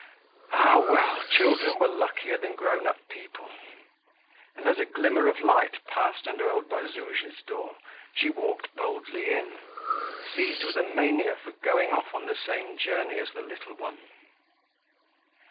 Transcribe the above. Ah, well! children were luckier than grown up people. And, as a glimmer of light passed under old Bazouge's door, she walked boldly in, seized with a mania for going off on the same journey as the little one.